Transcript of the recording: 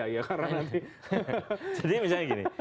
jadi misalnya gini